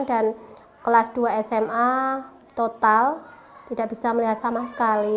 dan kelas dua sma total tidak bisa melihat sama sekali